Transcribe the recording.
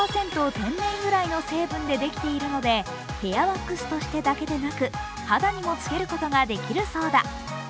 天然由来の成分でできているので、ヘアワックスとしてだけでなく肌にもつけることができるそうだ。